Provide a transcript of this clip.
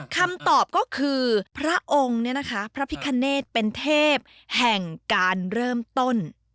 คำตอบก็คือพระองค์เนี่ยนะคะพระพิคเนธเป็นเทพแห่งการเริ่มต้น